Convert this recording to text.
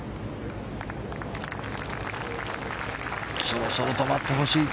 そろそろ止まってほしい。